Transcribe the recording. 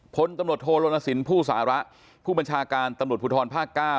พตโฮโลนสินผู้สาระผู้บัญชาการตผุทรภ๙